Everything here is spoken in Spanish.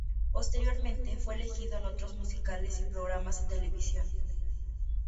Posteriormente fue elegido en otros musicales y programas de televisión.